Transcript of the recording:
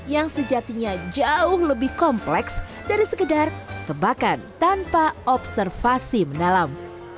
yang sejatinya jauh lebih kompleks dari sekedar tebakan tanpa observasi mendalam